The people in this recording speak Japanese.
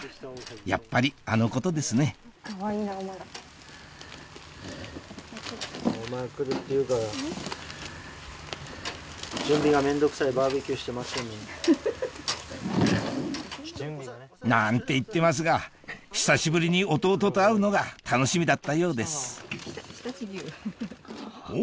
やっぱりあのことですねなんて言ってますが久しぶりに弟と会うのが楽しみだったようですお！